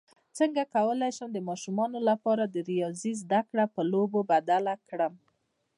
څنګه کولی شم د ماشومانو لپاره د ریاضي زدکړه په لوبو بدله کړم